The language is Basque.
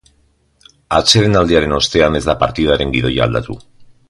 Atsedenaldiaren ostean ez da partidaren gidoia aldatu.